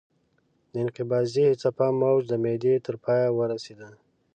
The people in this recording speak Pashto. د انقباضي څپه موج د معدې تر پایه ورسېده.